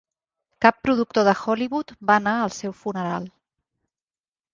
Cap productor de Hollywood va anar al seu funeral.